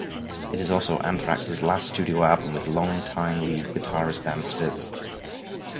It is also Anthrax's last studio album with longtime lead guitarist Dan Spitz.